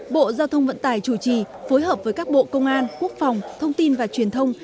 bộ giao thông vận tải chủ trì phối hợp với các bộ công an quốc phòng thông tin và truyền thông